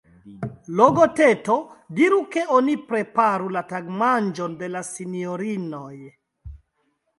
Logoteto, diru, ke oni preparu la tagmanĝon de la sinjorinoj.